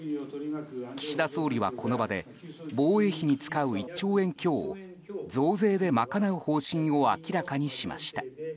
岸田総理はこの場で防衛費に使う１兆円強を増税で賄う方針を明らかにしました。